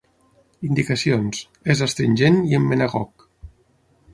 Indicacions: és astringent i emmenagog.